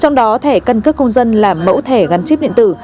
trong đó thẻ căn cước công dân là mẫu thẻ gắn chip điện tử